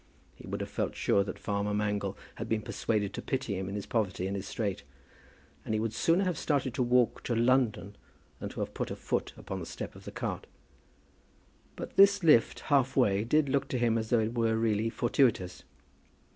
He would have felt sure that farmer Mangle had been persuaded to pity him in his poverty and his strait, and he would sooner have started to walk to London than have put a foot upon the step of the cart. But this lift half way did look to him as though it were really fortuitous.